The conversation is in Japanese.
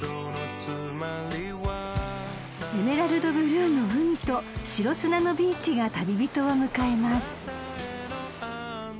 ［エメラルドブルーの海と白砂のビーチが旅人を迎えます］